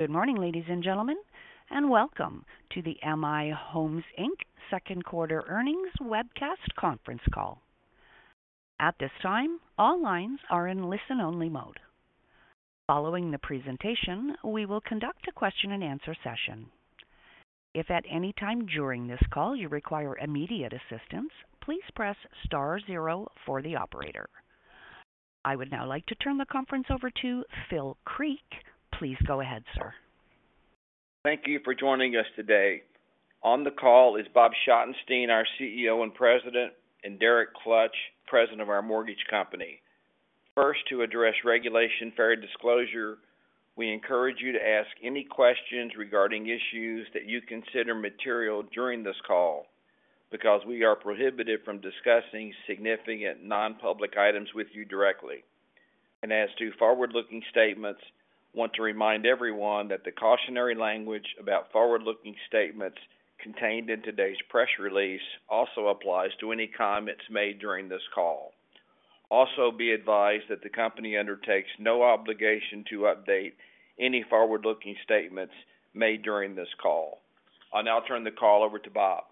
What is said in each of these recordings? Good morning, ladies and gentlemen, and welcome to the M/I Homes Inc. Second Quarter Earnings Webcast Conference Call. At this time, all lines are in listen-only mode. Following the presentation, we will conduct a question-and-answer session. If at any time during this call you require immediate assistance, please press star zero for the operator. I would now like to turn the conference over to Phil Creek. Please go ahead, sir. Thank you for joining us today. On the call is Bob Schottenstein, our CEO and President, and Derek Klutch, President of our mortgage company. First, to address Regulation Fair Disclosure, we encourage you to ask any questions regarding issues that you consider material during this call, because we are prohibited from discussing significant non-public items with you directly. As to forward-looking statements, I want to remind everyone that the cautionary language about forward-looking statements contained in today's press release also applies to any comments made during this call. Be advised that the company undertakes no obligation to update any forward-looking statements made during this call. I'll now turn the call over to Bob.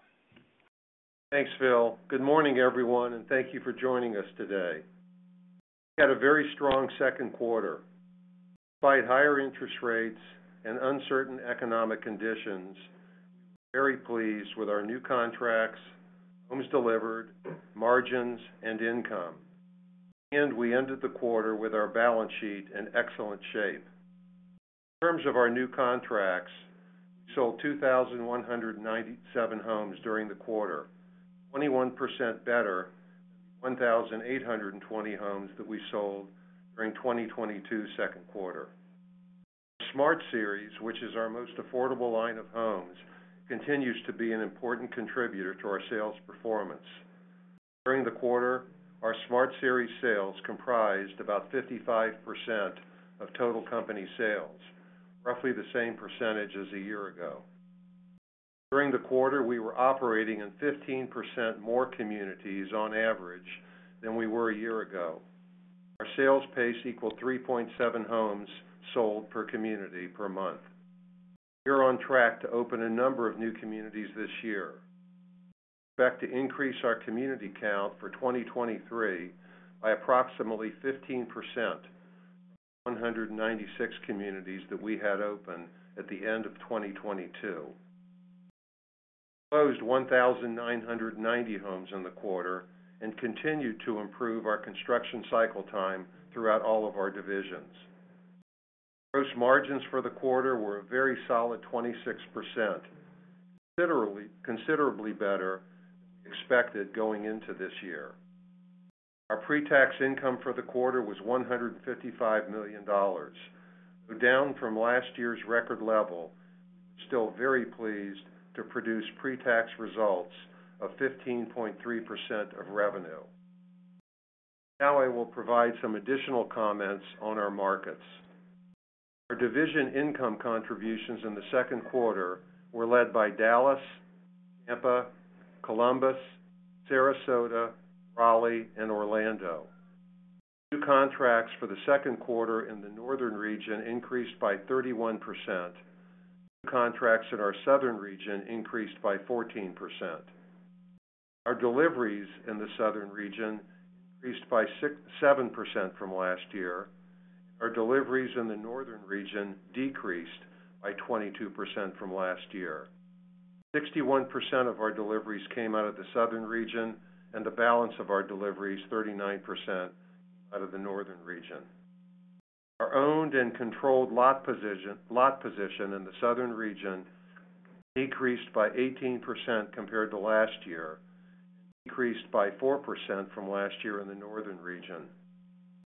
Thanks, Phil. Good morning, everyone, and thank you for joining us today. We had a very strong second quarter. Despite higher interest rates and uncertain economic conditions, we're very pleased with our new contracts, homes delivered, margins, and income, and we ended the quarter with our balance sheet in excellent shape. In terms of our new contracts, we sold 2,197 homes during the quarter, 21% better, 1,820 homes that we sold during 2022 second quarter. Smart Series, which is our most affordable line of homes, continues to be an important contributor to our sales performance. During the quarter, our Smart Series sales comprised about 55% of total company sales, roughly the same percentage as a year ago. During the quarter, we were operating in 15% more communities on average than we were a year ago. Our sales pace equaled 3.7 homes sold per community per month. We're on track to open a number of new communities this year. We expect to increase our community count for 2023 by approximately 15% to 196 communities that we had open at the end of 2022. We closed 1,990 homes in the quarter and continued to improve our construction cycle time throughout all of our divisions. Gross margins for the quarter were a very solid 26%, considerably better expected going into this year. Our pre-tax income for the quarter was $155 million. We're down from last year's record level, still very pleased to produce pre-tax results of 15.3% of revenue. I will provide some additional comments on our markets. Our division income contributions in the second quarter were led by Dallas, Tampa, Columbus, Sarasota, Raleigh, and Orlando. New contracts for the second quarter in the northern region increased by 31%. New contracts in our southern region increased by 14%. Our deliveries in the southern region increased by 7% from last year. Our deliveries in the northern region decreased by 22% from last year. 61% of our deliveries came out of the southern region, and the balance of our deliveries, 39%, out of the northern region. Our owned and controlled lot position in the southern region decreased by 18% compared to last year, decreased by 4% from last year in the northern region.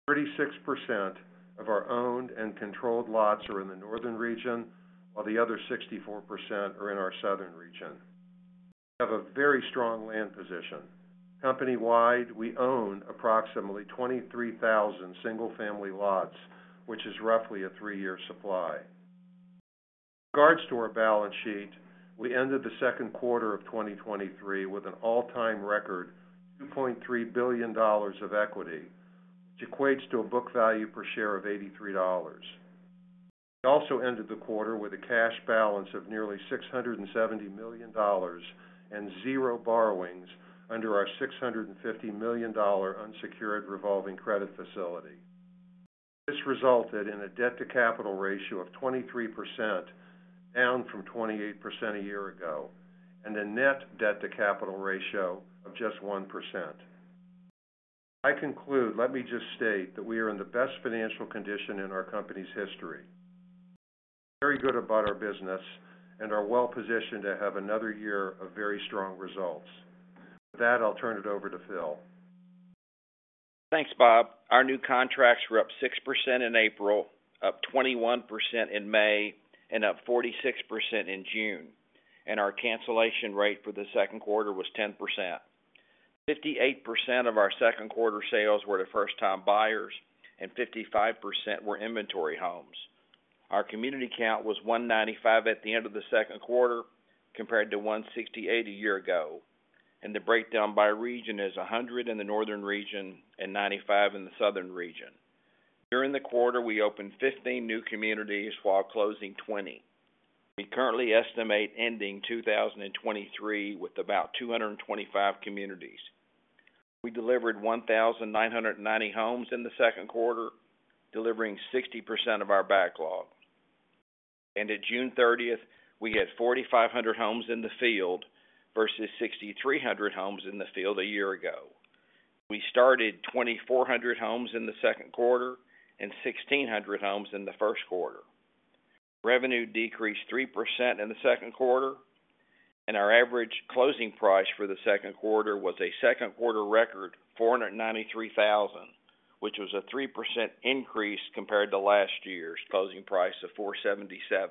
36% of our owned and controlled lots are in the northern region, while the other 64% are in our southern region. We have a very strong land position. Company-wide, we own approximately 23,000 single-family lots, which is roughly a 3-year supply. Regards to our balance sheet, we ended the second quarter of 2023 with an all-time record, $2.3 billion of equity, which equates to a book value per share of $83. We also ended the quarter with a cash balance of nearly $670 million and zero borrowings under our $650 million unsecured revolving credit facility. This resulted in a debt-to-capital ratio of 23%, down from 28% a year ago, and a net debt-to-capital ratio of just 1%. I conclude, let me just state that we are in the best financial condition in our company's history. Very good about our business and are well positioned to have another year of very strong results. With that, I'll turn it over to Phil. Thanks, Bob. Our new contracts were up 6% in April, up 21% in May, and up 46% in June. Our cancellation rate for the second quarter was 10%. 58% of our second-quarter sales were to first-time buyers and 55% were inventory homes. Our community count was 195 at the end of the second quarter, compared to 168 a year ago. The breakdown by region is 100 in the northern region and 95 in the southern region. During the quarter, we opened 15 new communities while closing 20. We currently estimate ending 2023 with about 225 communities. We delivered 1,990 homes in the second quarter, delivering 60% of our backlog. At June 30th, we had 4,500 homes in the field versus 6,300 homes in the field a year ago. We started 2,400 homes in the second quarter and 1,600 homes in the first quarter. Revenue decreased 3% in the second quarter. Our average closing price for the second quarter was a second quarter record, $493,000, which was a 3% increase compared to last year's closing price of $477,000.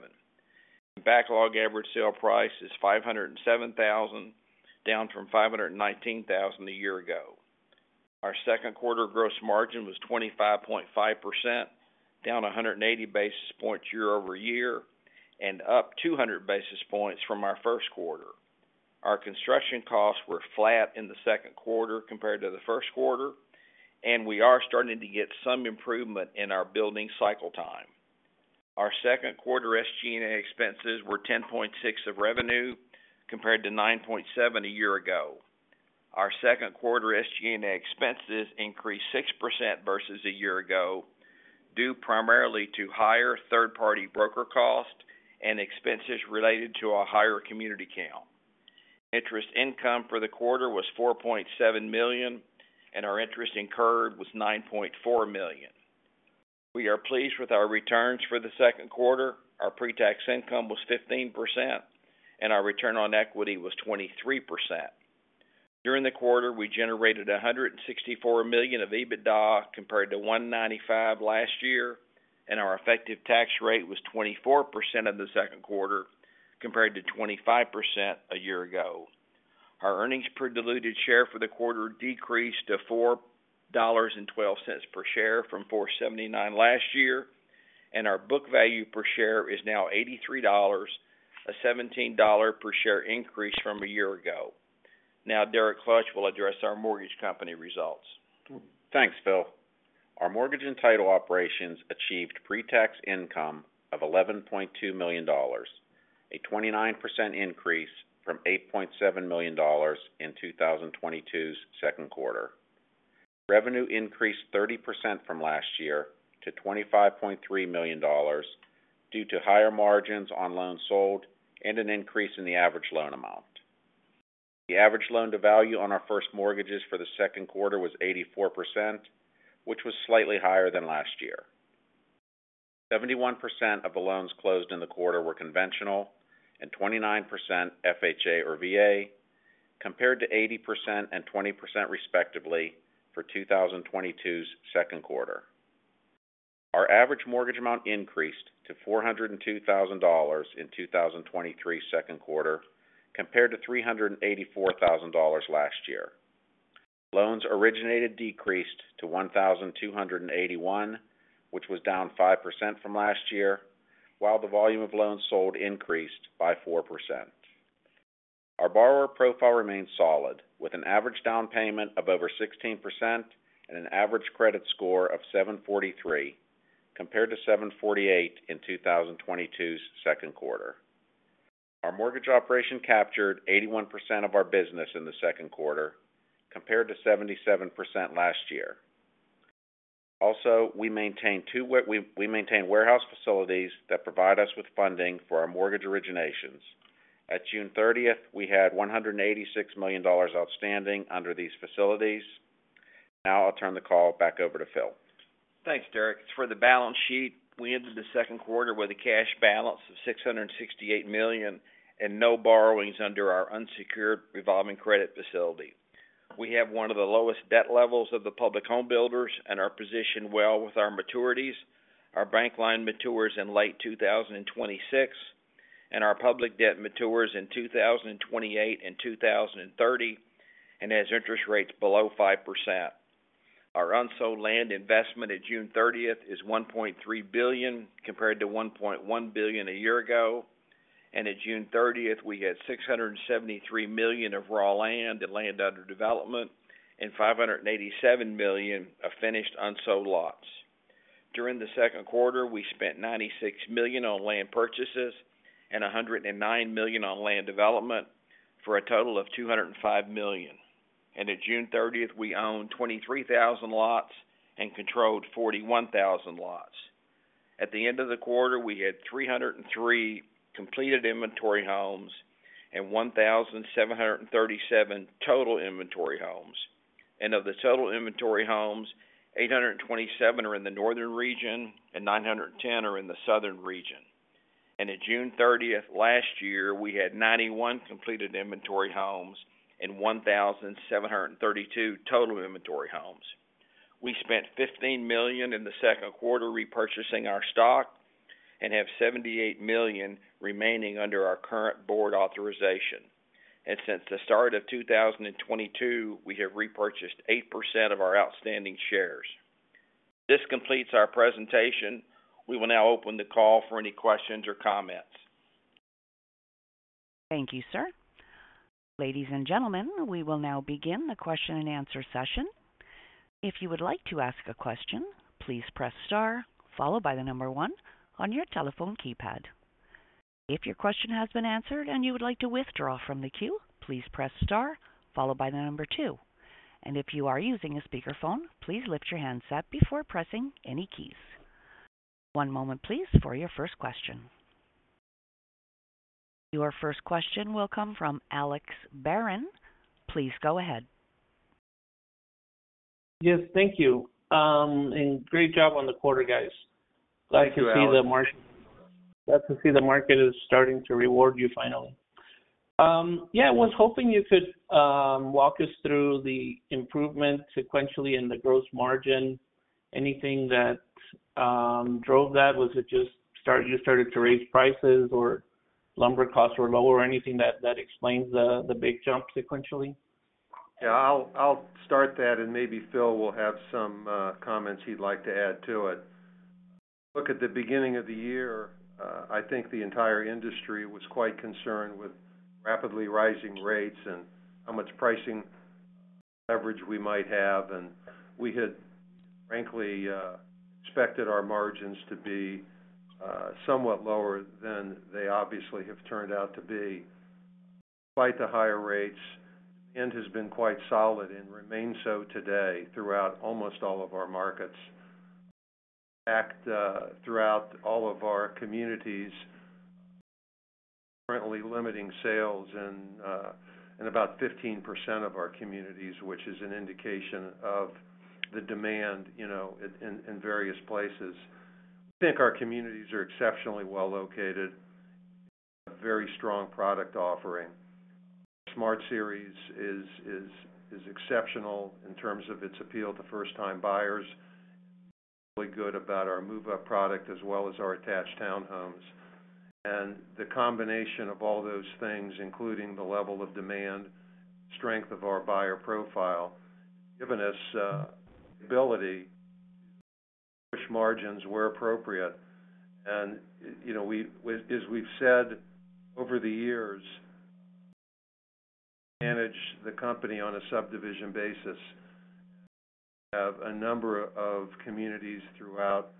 Backlog average sale price is $507,000, down from $519,000 a year ago. Our second quarter gross margin was 25.5%, down 180 basis points year-over-year, and up 200 basis points from our first quarter. Our construction costs were flat in the second quarter compared to the first quarter, and we are starting to get some improvement in our building cycle time. Our second quarter SG&A expenses were 10.6 of revenue, compared to 9.7 a year ago. Our second quarter SG&A expenses increased 6% versus a year ago, due primarily to higher third-party broker costs and expenses related to a higher community count. Interest income for the quarter was $4.7 million, and our interest incurred was $9.4 million. We are pleased with our returns for the second quarter. Our pre-tax income was 15%, and our return on equity was 23%. During the quarter, we generated $164 million of EBITDA, compared to $195 last year. Our effective tax rate was 24% in the second quarter, compared to 25% a year ago. Our earnings per diluted share for the quarter decreased to $4.12 per share from $4.79 last year. Our book value per share is now $83, a $17 per share increase from a year ago. Now, Derek Klutch will address our mortgage company results. Thanks, Phil. Our mortgage and title operations achieved pre-tax income of $11.2 million, a 29% increase from $8.7 million in 2022's second quarter. Revenue increased 30% from last year to $25.3 million due to higher margins on loans sold and an increase in the average loan amount. The average loan to value on our first mortgages for the second quarter was 84%, which was slightly higher than last year. 71% of the loans closed in the quarter were conventional, and 29% FHA or VA, compared to 80% and 20%, respectively, for 2022's second quarter. Our average mortgage amount increased to $402,000 in 2023's second quarter, compared to $384,000 last year. Loans originated decreased to 1,281, which was down 5% from last year, while the volume of loans sold increased by 4%. Our borrower profile remains solid, with an average down payment of over 16% and an average credit score of 743, compared to 748 in 2022's second quarter. Our mortgage operation captured 81% of our business in the second quarter, compared to 77% last year. We maintain warehouse facilities that provide us with funding for our mortgage originations. At June 30th, we had $186 million outstanding under these facilities. I'll turn the call back over to Phil. Thanks, Derek. For the balance sheet, we ended the second quarter with a cash balance of $668 million and no borrowings under our unsecured revolving credit facility. We have one of the lowest debt levels of the public home builders and are positioned well with our maturities. Our bank line matures in late 2026, and our public debt matures in 2028 and 2030, and has interest rates below 5%. Our unsold land investment at June 30th is $1.3 billion, compared to $1.1 billion a year ago, and at June 30th, we had $673 million of raw land and land under development, and $587 million of finished, unsold lots. During the second quarter, we spent $96 million on land purchases and $109 million on land development, for a total of $205 million. At June 30th, we owned 23,000 lots and controlled 41,000 lots. At the end of the quarter, we had 303 completed inventory homes and 1,737 total inventory homes. Of the total inventory homes, 827 are in the northern region and 910 are in the southern region. At June 30th last year, we had 91 completed inventory homes and 1,732 total inventory homes. We spent $15 million in the second quarter repurchasing our stock and have $78 million remaining under our current board authorization. Since the start of 2022, we have repurchased 8% of our outstanding shares. This completes our presentation. We will now open the call for any questions or comments. Thank you, sir. Ladies and gentlemen, we will now begin the question and answer session. If you would like to ask a question, please press star, followed by one on your telephone keypad. If your question has been answered and you would like to withdraw from the queue, please press star followed by two. If you are using a speakerphone, please lift your handset before pressing any keys. One moment, please, for your first question. Your first question will come from Alex Barron. Please go ahead. Yes, thank you. Great job on the quarter, guys. Thank you, Alex. Glad to see the market is starting to reward you finally. I was hoping you could walk us through the improvement sequentially in the gross margin. Anything that drove that? Was it just start, you started to raise prices or lumber costs were low or anything that explains the big jump sequentially? Yeah, I'll start that. Maybe Phil will have some comments he'd like to add to it. Look, at the beginning of the year, I think the entire industry was quite concerned with rapidly rising rates and how much pricing leverage we might have. We had frankly expected our margins to be somewhat lower than they obviously have turned out to be. Despite the higher rates, end has been quite solid and remains so today throughout almost all of our markets. In fact, throughout all of our communities, currently limiting sales in about 15% of our communities, which is an indication of the demand, you know, in various places. I think our communities are exceptionally well located, have very strong product offering. Smart Series is exceptional in terms of its appeal to first-time buyers. Feel really good about our move-up product as well as our attached townhomes. The combination of all those things, including the level of demand, strength of our buyer profile, given us the ability, push margins where appropriate. You know, as we've said over the years, manage the company on a subdivision basis. We have a number of communities throughout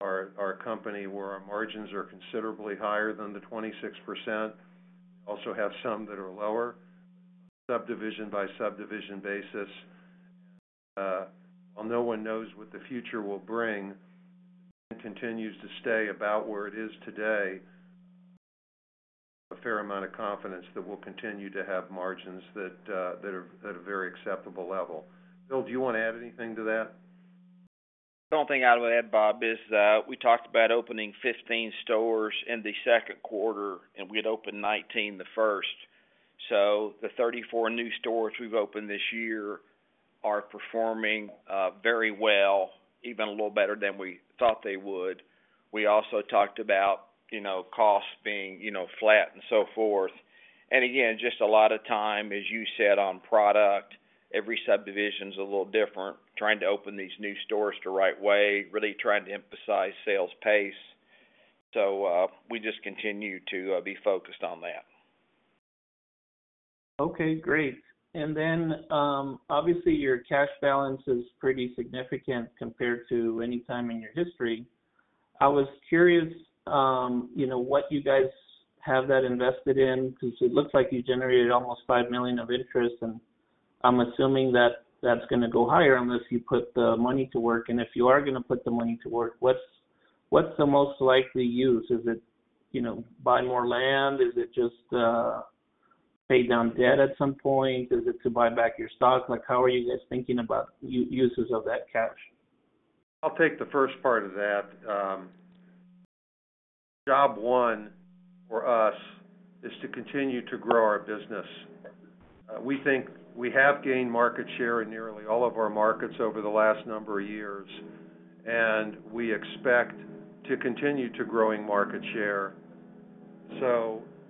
our company where our margins are considerably higher than the 26%. Also have some that are lower, subdivision by subdivision basis. While no one knows what the future will bring, continues to stay about where it is today, a fair amount of confidence that we'll continue to have margins that are at a very acceptable level. Phil, do you want to add anything to that? The only thing I would add, Bob, is that we talked about opening 15 stores in the second quarter, and we had opened 19 the first. The 34 new stores we've opened this year are performing very well, even a little better than we thought they would. We also talked about, you know, costs being, you know, flat and so forth. Again, just a lot of time, as you said, on product, every subdivision is a little different, trying to open these new stores the right way, really trying to emphasize sales pace. We just continue to be focused on that. Okay, great. Then, obviously, your cash balance is pretty significant compared to any time in your history. I was curious, you know, what you guys have that invested in, because it looks like you generated almost $5 million of interest, and I'm assuming that that's going to go higher unless you put the money to work. If you are going to put the money to work, what's the most likely use? Is it, you know, buy more land? Is it just, pay down debt at some point? Is it to buy back your stock? Like, how are you guys thinking about uses of that cash? I'll take the first part of that. Job one for us is to continue to grow our business. We think we have gained market share in nearly all of our markets over the last number of years, and we expect to continue to growing market share.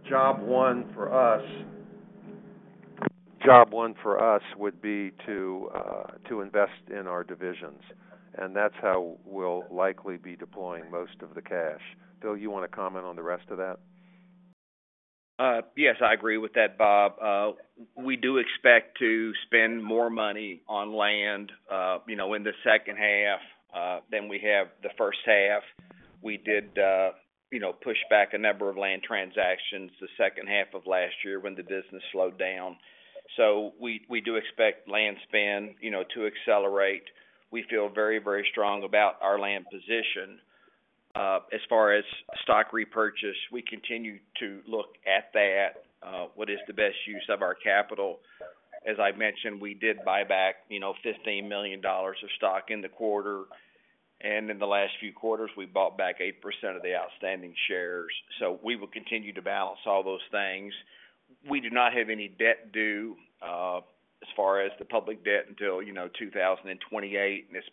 Job one for us would be to invest in our divisions, and that's how we'll likely be deploying most of the cash. Phil, you want to comment on the rest of that? Yes, I agree with that, Bob. We do expect to spend more money on land, you know, in the second half, than we have the first half. We did, you know, push back a number of land transactions the second half of last year when the business slowed down. We do expect land spend, you know, to accelerate. We feel very strong about our land position. As far as stock repurchase, we continue to look at that, what is the best use of our capital? As I mentioned, we did buy back, you know, $15 million of stock in the quarter, and in the last few quarters, we bought back 8% of the outstanding shares. We will continue to balance all those things. We do not have any debt due, as far as the public debt, until, you know, 2028, and it's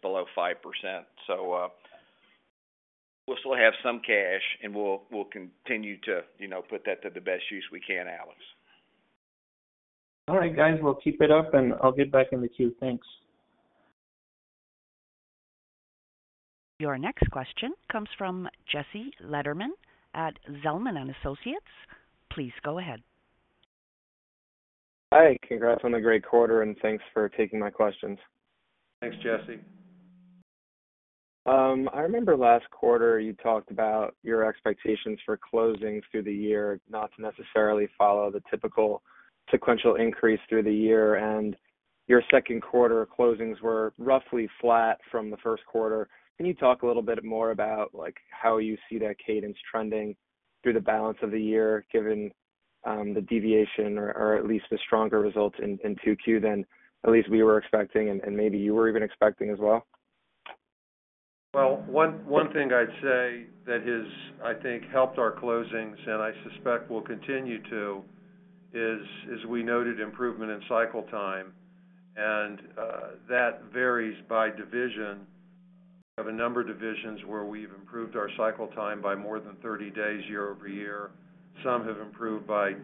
below 5%. We'll still have some cash, and we'll continue to, you know, put that to the best use we can, Alex. All right, guys, well, keep it up, and I'll get back in the queue. Thanks. Your next question comes from Jesse Lederman at Zelman & Associates. Please go ahead. Hi, congrats on the great quarter, and thanks for taking my questions. Thanks, Jesse. I remember last quarter you talked about your expectations for closings through the year, not to necessarily follow the typical sequential increase through the year, and your second quarter closings were roughly flat from the first quarter. Can you talk a little bit more about, like, how you see that cadence trending through the balance of the year, given the deviation or at least the stronger results in 2Q than at least we were expecting and maybe you were even expecting as well? One thing I'd say that has, I think, helped our closings, and I suspect will continue to, is we noted improvement in cycle time, and that varies by division. We have a number of divisions where we've improved our cycle time by more than 30 days year-over-year. Some have improved by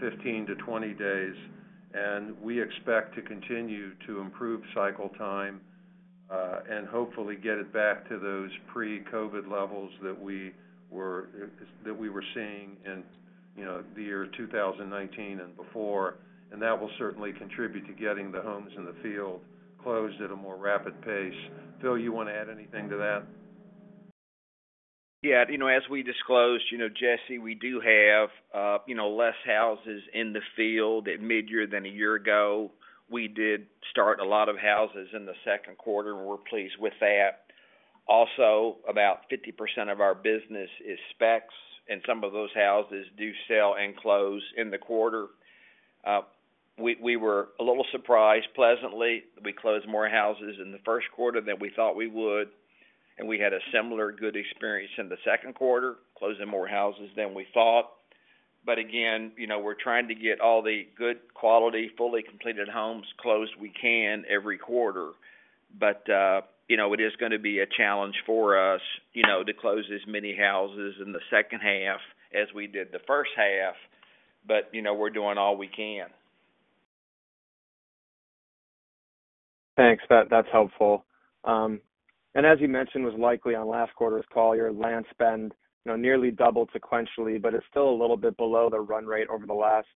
15 days-20 days, and we expect to continue to improve cycle time, and hopefully get it back to those pre-COVID levels that we were seeing in, you know, 2019 and before. That will certainly contribute to getting the homes in the field closed at a more rapid pace. Phil, you want to add anything to that? Yeah, you know, as we disclosed, you know, Jesse, we do have, you know, less houses in the field at midyear than a year ago. We did start a lot of houses in the second quarter, and we're pleased with that. Also, about 50% of our business is specs, and some of those houses do sell and close in the quarter. We, we were a little surprised, pleasantly, that we closed more houses in the first quarter than we thought we would, and we had a similar good experience in the second quarter, closing more houses than we thought. Again, you know, we're trying to get all the good quality, fully completed homes closed we can every quarter. you know, it is going to be a challenge for us, you know, to close as many houses in the second half as we did the first half. you know, we're doing all we can. Thanks. That's helpful. As you mentioned, was likely on last quarter's call, your land spend, you know, nearly doubled sequentially, but it's still a little bit below the run rate over the last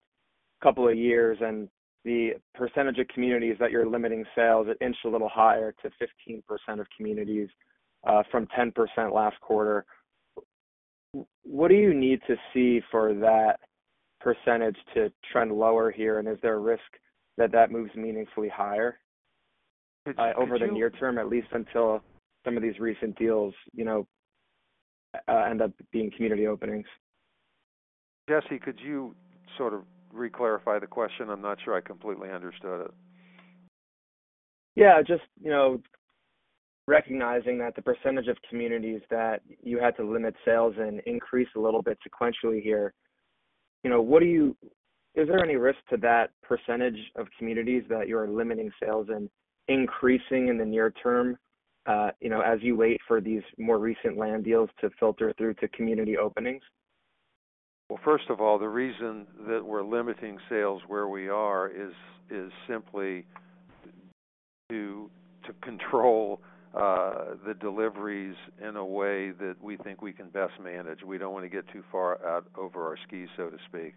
couple of years, and the percentage of communities that you're limiting sales inched a little higher to 15% of communities, from 10% last quarter. What do you need to see for that percentage to trend lower here? And is there a risk that that moves meaningfully higher, over the near term, at least until some of these recent deals, you know, end up being community openings? Jesse, could you sort of reclarify the question? I'm not sure I completely understood it. Yeah, just, you know, recognizing that the percentage of communities that you had to limit sales and increase a little bit sequentially here, you know, is there any risk to that percentage of communities that you're limiting sales and increasing in the near term, you know, as you wait for these more recent land deals to filter through to community openings? First of all, the reason that we're limiting sales where we are is simply to control the deliveries in a way that we think we can best manage. We don't want to get too far out over our skis, so to speak.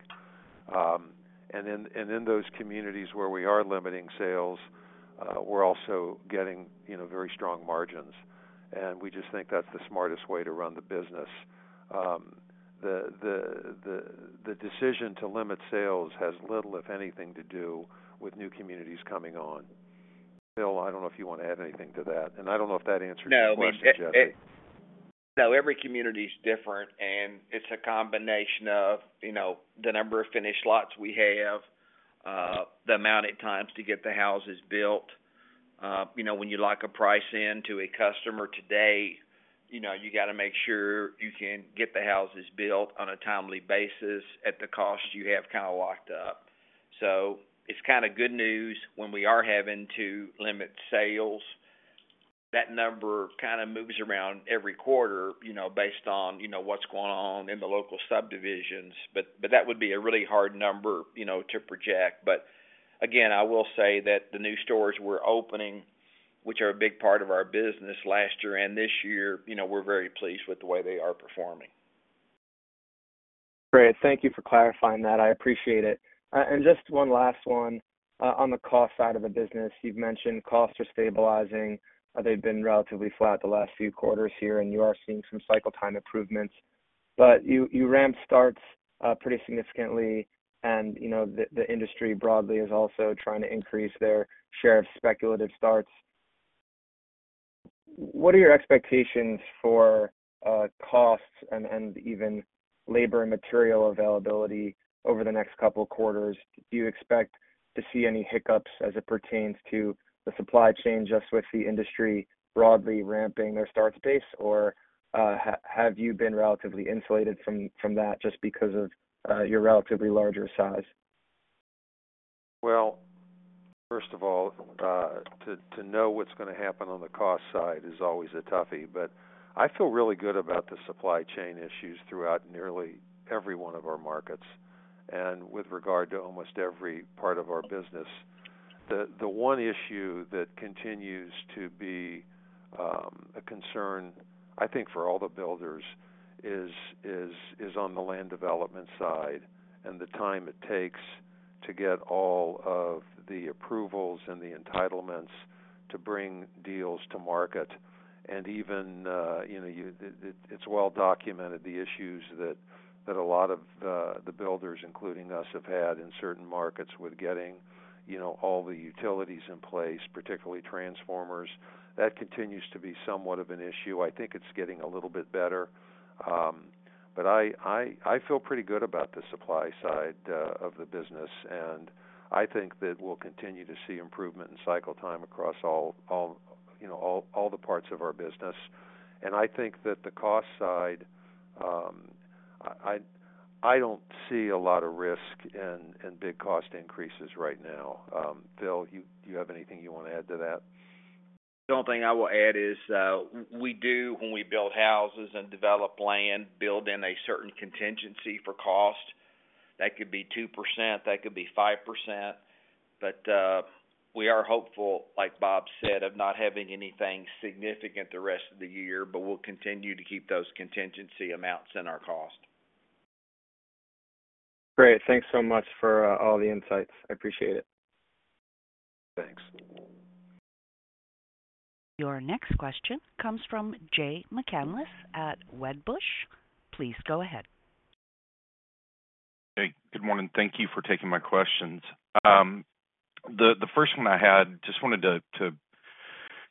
In those communities where we are limiting sales, we're also getting, you know, very strong margins, we just think that's the smartest way to run the business. The decision to limit sales has little, if anything, to do with new communities coming on. Phil, I don't know if you want to add anything to that, I don't know if that answered your question, Jesse. No, every community is different, and it's a combination of, you know, the number of finished lots we have, the amount of times to get the houses built. You know, when you lock a price in to a customer today, you know, you got to make sure you can get the houses built on a timely basis at the cost you have kind of locked up. It's kind of good news when we are having to limit sales. That number kind of moves around every quarter, you know, based on, you know, what's going on in the local subdivisions. That would be a really hard number, you know, to project. Again, I will say that the new stores we're opening, which are a big part of our business last year and this year, you know, we're very pleased with the way they are performing. Great. Thank you for clarifying that. I appreciate it. Just one last one. On the cost side of the business, you've mentioned costs are stabilizing. They've been relatively flat the last few quarters here, and you are seeing some cycle time improvements. You ramped starts pretty significantly, and, you know, the industry broadly is also trying to increase their share of speculative starts. What are your expectations for costs and even labor and material availability over the next couple of quarters? Do you expect to see any hiccups as it pertains to the supply chain, just with the industry broadly ramping their start space, or, have you been relatively insulated from that just because of your relatively larger size? First of all, to know what's going to happen on the cost side is always a toughie, but I feel really good about the supply chain issues throughout nearly every one of our markets, and with regard to almost every part of our business. The one issue that continues to be a concern, I think, for all the builders is on the land development side and the time it takes to get all of the approvals and the entitlements to bring deals to market. Even, you know, it's well documented, the issues that a lot of the builders, including us, have had in certain markets with getting, you know, all the utilities in place, particularly transformers. That continues to be somewhat of an issue. I think it's getting a little bit better, but I, I feel pretty good about the supply side of the business, and I think that we'll continue to see improvement in cycle time across all, you know, all the parts of our business. I think that the cost side, I don't see a lot of risk in big cost increases right now. Phil, do you have anything you want to add to that? The only thing I will add is, we do, when we build houses and develop land, build in a certain contingency for cost. That could be 2%, that could be 5%, but, we are hopeful, like Bob said, of not having anything significant the rest of the year, but we'll continue to keep those contingency amounts in our cost. Great. Thanks so much for all the insights. I appreciate it. Thanks. Your next question comes from Jay McCanless at Wedbush. Please go ahead. Hey, good morning. Thank Thank you for taking my questions. The first one I had, just wanted to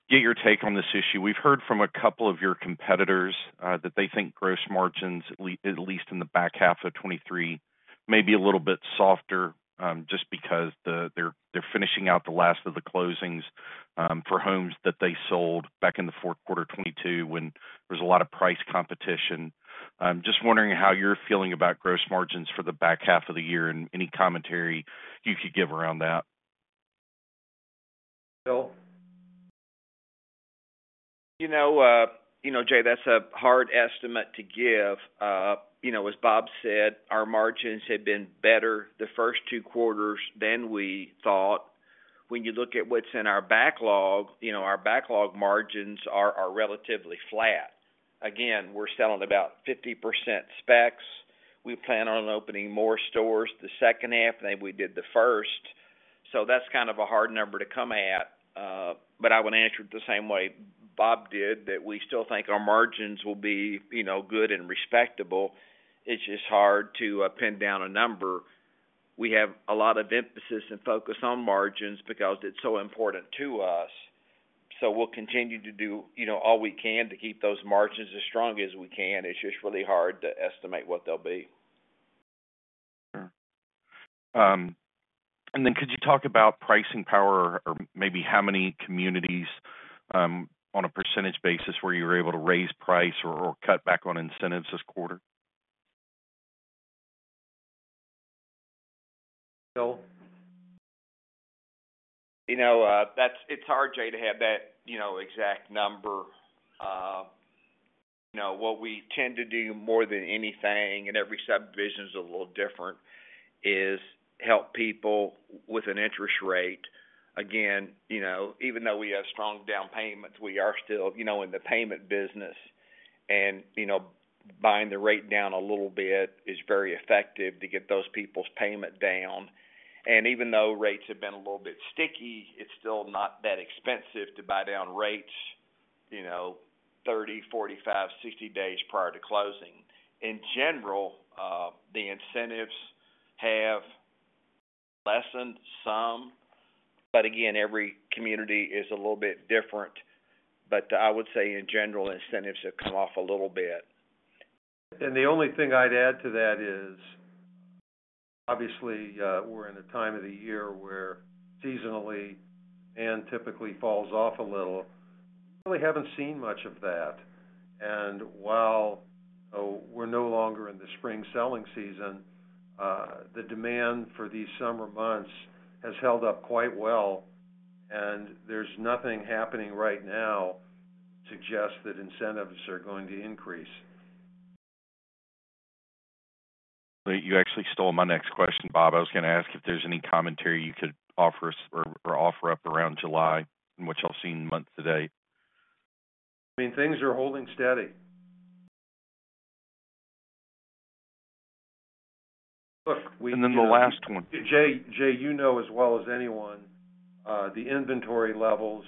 get your take on this issue. We've heard from a couple of your competitors, that they think gross margins, at least in the back half of 2023, may be a little bit softer, just because they're finishing out the last of the closings, for homes that they sold back in the fourth quarter of 2022, when there was a lot of price competition. I'm just wondering how you're feeling about gross margins for the back half of the year, and any commentary you could give around that. Phil? You know, you know, Jay, that's a hard estimate to give. You know, as Bob said, our margins have been better the first two quarters than we thought. When you look at what's in our backlog, you know, our backlog margins are relatively flat. Again, we're selling about 50% specs. We plan on opening more stores the second half than we did the first. That's kind of a hard number to come at, but I would answer it the same way Bob did, that we still think our margins will be, you know, good and respectable. It's just hard to pin down a number. We have a lot of emphasis and focus on margins because it's so important to us, so we'll continue to do, you know, all we can to keep those margins as strong as we can. It's just really hard to estimate what they'll be. Sure. Could you talk about pricing power or maybe how many communities on a percentage basis, where you were able to raise price or cut back on incentives this quarter? Phil? You know, it's hard, Jay, to have that, you know, exact number. You know, what we tend to do more than anything, and every subdivision is a little different, is help people with an interest rate. Again, you know, even though we have strong down payments, we are still, you know, in the payment business, and, you know, buying the rate down a little bit is very effective to get those people's payment down. Even though rates have been a little bit sticky, it's still not that expensive to buy down rates, you know, 30 days, 45 days, 60 days prior to closing. In general, the incentives have lessened some, but again, every community is a little bit different. I would say in general, incentives have come off a little bit. The only thing I'd add to that is, obviously, we're in a time of the year where seasonally, and typically falls off a little. We really haven't seen much of that. While, we're no longer in the spring selling season, the demand for these summer months has held up quite well, and there's nothing happening right now to suggest that incentives are going to increase. You actually stole my next question, Bob. I was going to ask if there's any commentary you could offer us or offer up around July, in which I've seen month to date. I mean, things are holding steady. Look. The last one. Jay, you know as well as anyone, the inventory levels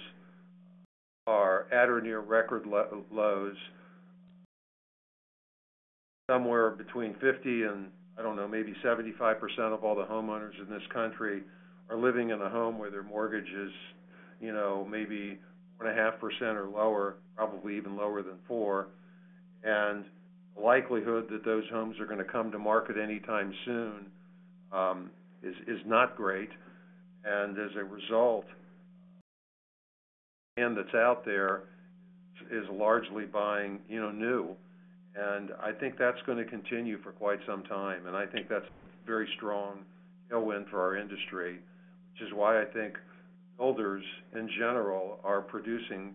are at or near record lows. Somewhere between 50% and, I don't know, maybe 75% of all the homeowners in this country are living in a home where their mortgage is, you know, maybe 4.5% or lower, probably even lower than 4%. The likelihood that those homes are going to come to market anytime soon is not great. That's out there is largely buying, you know, new, and I think that's gonna continue for quite some time, and I think that's very strong tailwind for our industry, which is why I think builders, in general, are producing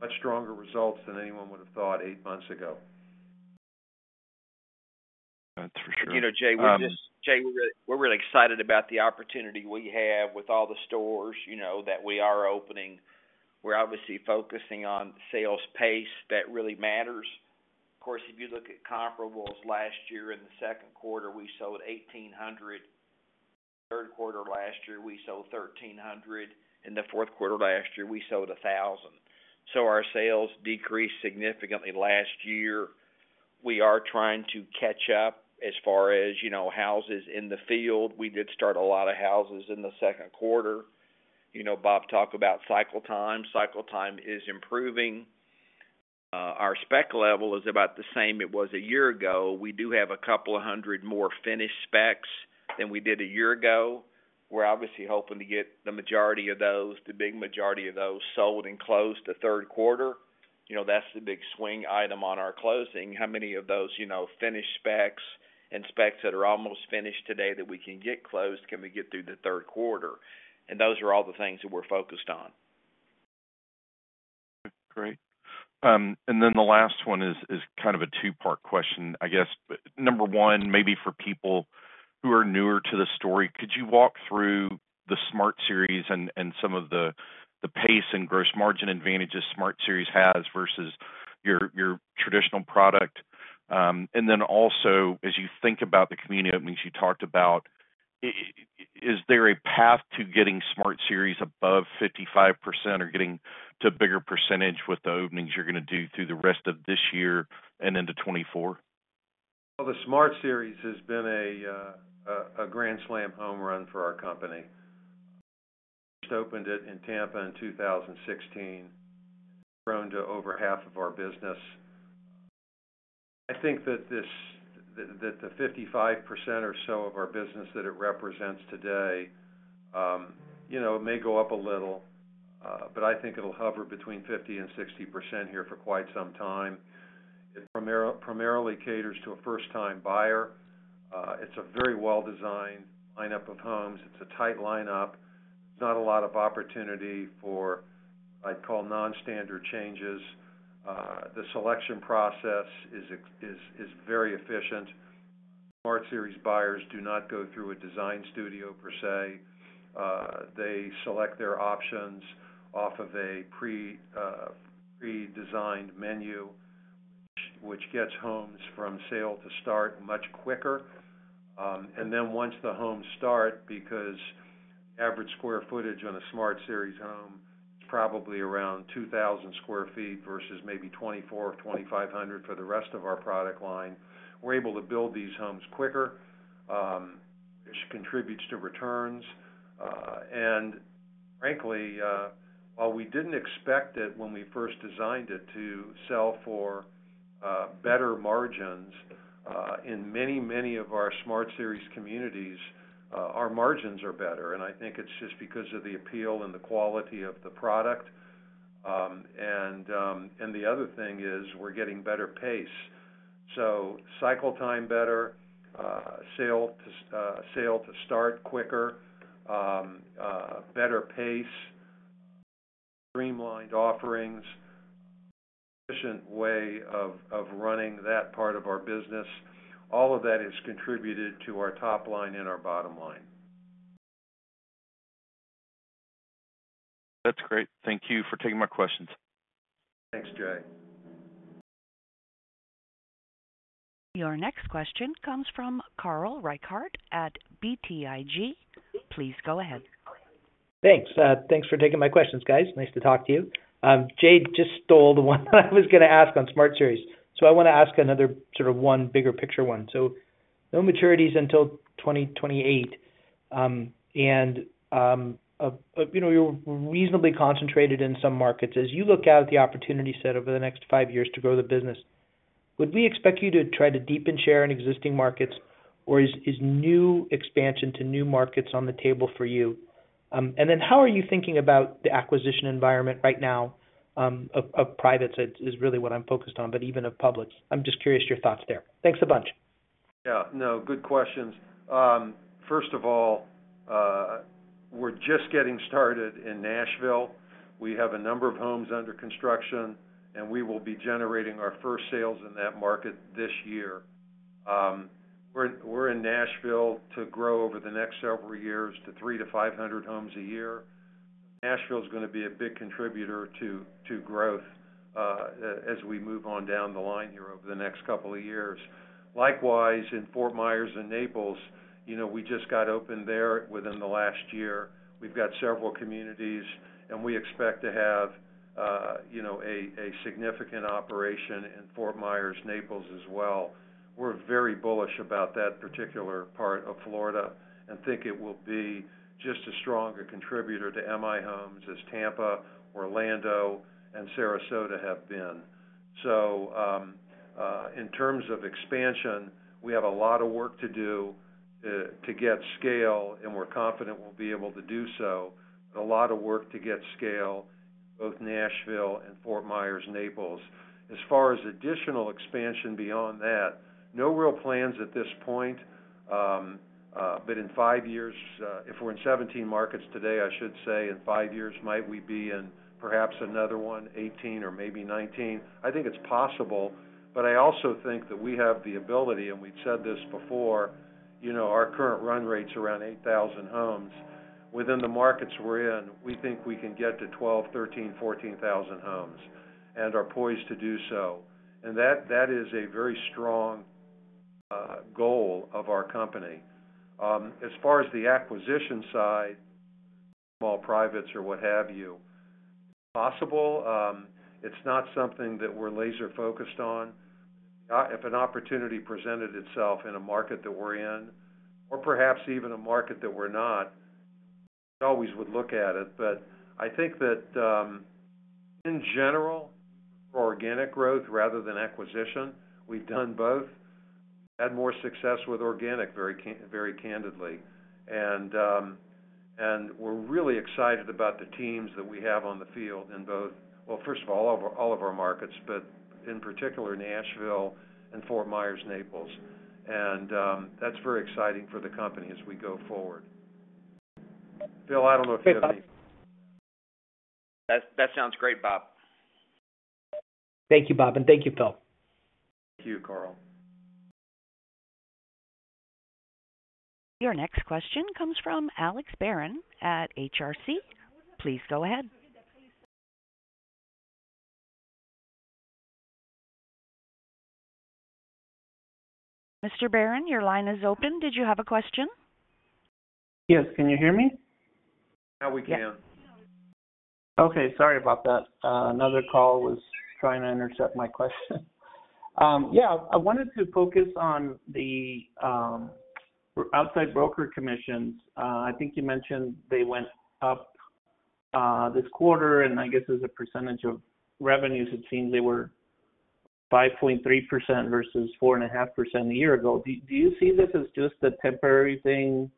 much stronger results than anyone would have thought eight months ago. That's for sure. You know, Jay, we're really excited about the opportunity we have with all the stores, you know, that we are opening. We're obviously focusing on sales pace. That really matters. Of course, if you look at comparables, last year in the second quarter, we sold 1,800. Third quarter last year, we sold 1,300, in the fourth quarter last year, we sold 1,000. Our sales decreased significantly last year. We are trying to catch up as far as, you know, houses in the field. We did start a lot of houses in the second quarter. You know, Bob talked about cycle time. Cycle time is improving. Our spec level is about the same it was a year ago. We do have a couple of hundred more finished specs than we did a year ago. We're obviously hoping to get the majority of those, the big majority of those, sold and closed the third quarter. You know, that's the big swing item on our closing. How many of those, you know, finished specs and specs that are almost finished today that we can get closed, can we get through the third quarter? Those are all the things that we're focused on. Great. The last one is kind of a two-part question, I guess. Number one, maybe for people who are newer to the story, could you walk through the Smart Series and some of the pace and gross margin advantages Smart Series has versus your traditional product? Also, as you think about the community openings you talked about, is there a path to getting Smart Series above 55% or getting to a bigger percentage with the openings you're gonna do through the rest of this year and into 2024? The Smart Series has been a grand slam home run for our company. Just opened it in Tampa in 2016, grown to over half of our business. I think that the 55% or so of our business that it represents today, you know, may go up a little, but I think it'll hover between 50% and 60% here for quite some time. It primarily caters to a first-time buyer. It's a very well-designed lineup of homes. It's a tight lineup. It's not a lot of opportunity for, I'd call, non-standard changes. The selection process is very efficient. Smart Series buyers do not go through a Design Studio per se. They select their options off of a pre-designed menu, which gets homes from sale to start much quicker. Once the homes start, because average square footage on a Smart Series home is probably around 2,000 sq ft versus maybe 2,400 sq ft or 2,500 sq ft for the rest of our product line, we're able to build these homes quicker, which contributes to returns. While we didn't expect it when we first designed it to sell for better margins, in many of our Smart Series communities, our margins are better, and I think it's just because of the appeal and the quality of the product. The other thing is we're getting better pace. Cycle time better, sale to start quicker, better pace, streamlined offerings, efficient way of running that part of our business. All of that has contributed to our top line and our bottom line. That's great. Thank you for taking my questions. Thanks, Jay. Your next question comes from Carl Reichardt at BTIG. Please go ahead. Thanks. Thanks for taking my questions, guys. Nice to talk to you. Jay just stole the one I was gonna ask on Smart Series, so I want to ask another sort of one bigger picture one. No maturities until 2028. You know, you're reasonably concentrated in some markets. As you look out at the opportunity set over the next five years to grow the business, would we expect you to try to deepen share in existing markets, or is new expansion to new markets on the table for you? How are you thinking about the acquisition environment right now, of privates is really what I'm focused on, but even of publics. I'm just curious your thoughts there. Thanks a bunch. Yeah. No, good questions. First of all, we're just getting started in Nashville. We have a number of homes under construction, and we will be generating our first sales in that market this year. We're in Nashville to grow over the next several years to 300 to 500 homes a year. Nashville is gonna be a big contributor to growth as we move on down the line here over the next couple of years. Likewise, in Fort Myers and Naples, you know, we just got open there within the last year. We've got several communities, and we expect to have, you know, a significant operation in Fort Myers, Naples as well. We're very bullish about that particular part of Florida and think it will be just as strong a contributor to M/I Homes as Tampa, Orlando, and Sarasota have been. In terms of expansion, we have a lot of work to do to get scale, and we're confident we'll be able to do so. A lot of work to get scale, both Nashville and Fort Myers, Naples. As far as additional expansion beyond that, no real plans at this point, but in five years, if we're in 17 markets today, I should say, in five years, might we be in perhaps another 1, 18 or maybe 19? I think it's possible, but I also think that we have the ability, and we've said this before, you know, our current run rate's around 8,000 homes. Within the markets we're in, we think we can get to 12,000, 13,000, 14,000 homes, and are poised to do so. That is a very strong goal of our company. As far as the acquisition side, small privates or what have you, possible, it's not something that we're laser-focused on. If an opportunity presented itself in a market that we're in, or perhaps even a market that we're not, we always would look at it. I think that, in general, for organic growth rather than acquisition, we've done both. Had more success with organic, very candidly. We're really excited about the teams that we have on the field in both... Well, first of all of our markets, but in particular, Nashville and Fort Myers, Naples. That's very exciting for the company as we go forward. Phil, I don't know if you have any- That sounds great, Bob. Thank you, Bob, and thank you, Phil. Thank you, Carl. Your next question comes from Alex Barron at HRC. Please go ahead. Mr. Barron, your line is open. Did you have a question? Yes. Can you hear me? Now we can. Okay, sorry about that. Another call was trying to intercept my question. Yeah, I wanted to focus on the outside broker commissions. I think you mentioned they went up this quarter, and I guess as a percentage of revenues, it seemed they were 5.3% versus 4.5% a year ago. Do you see this as just a temporary thing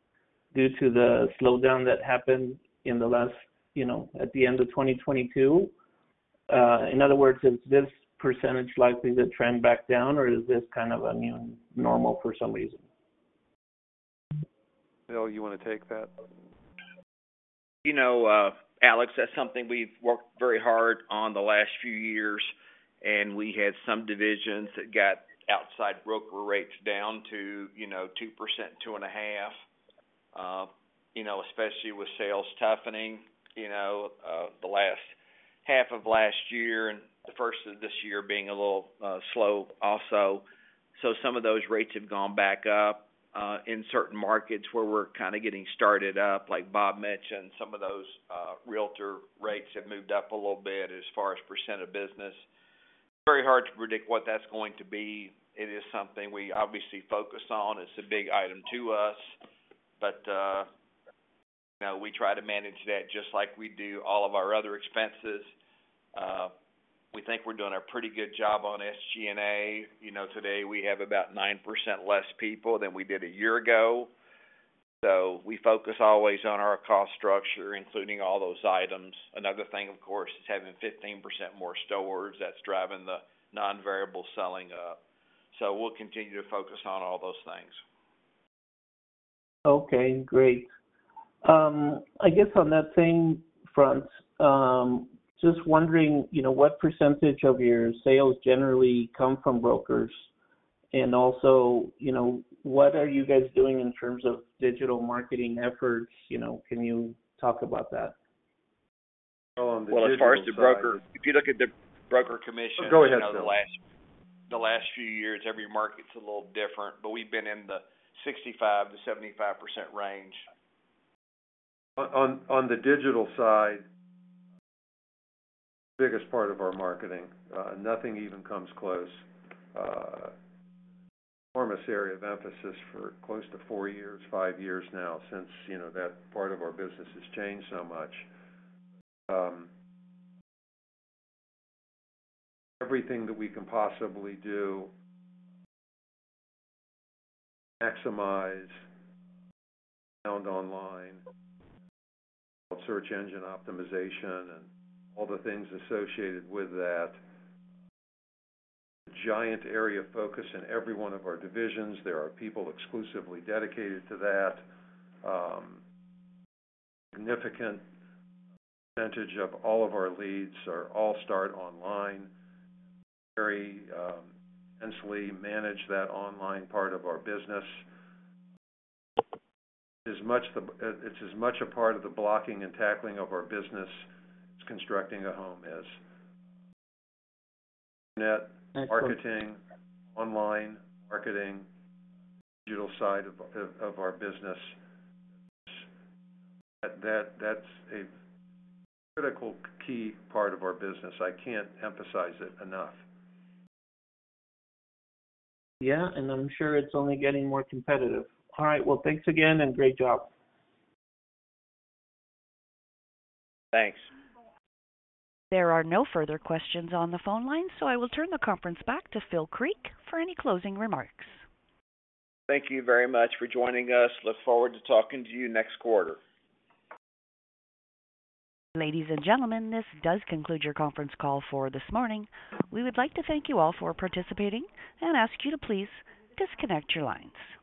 due to the slowdown that happened in the last, you know, at the end of 2022? In other words, is this percentage likely to trend back down, or is this kind of, you know, normal for some reason? Phil, you want to take that? You know, Alex, that's something we've worked very hard on the last few years. We had some divisions that got outside broker rates down to, you know, 2%, 2.5%. You know, especially with sales toughening, you know, the last half of last year and the first of this year being a little slow also. Some of those rates have gone back up in certain markets where we're kind of getting started up. Like Bob mentioned, some of those realtor rates have moved up a little bit as far as percent of business. Very hard to predict what that's going to be. It is something we obviously focus on. It's a big item to us, but, you know, we try to manage that just like we do all of our other expenses. we think we're doing a pretty good job on SG&A. You know, today we have about 9% less people than we did a year ago. We focus always on our cost structure, including all those items. Another thing, of course, is having 15% more stores. That's driving the non-variable selling up. We'll continue to focus on all those things. Great. I guess on that same front, just wondering, you know, what percentage of your sales generally come from brokers, and also, you know, what are you guys doing in terms of digital marketing efforts? You know, can you talk about that? Well, on the. Well, as far as the broker, if you look at the broker commission- Go ahead, Phil. The last few years, every market's a little different, but we've been in the 65%-75% range. On the digital side, biggest part of our marketing, nothing even comes close. Enormous area of emphasis for close to four years, five years now, since, you know, that part of our business has changed so much. Everything that we can possibly do maximize found online, search engine optimization, and all the things associated with that. Giant area of focus in every one of our divisions. There are people exclusively dedicated to that. Significant percentage of all of our leads are all start online. Very intensely manage that online part of our business. It's as much a part of the blocking and tackling of our business as constructing a home is. Excellent. Marketing, online marketing, digital side of our business. That's a critical key part of our business. I can't emphasize it enough. Yeah, I'm sure it's only getting more competitive. All right. Well, thanks again and great job. Thanks. There are no further questions on the phone line, so I will turn the conference back to Phil Creek for any closing remarks. Thank you very much for joining us. Look forward to talking to you next quarter. Ladies and gentlemen, this does conclude your conference call for this morning. We would like to thank you all for participating and ask you to please disconnect your lines.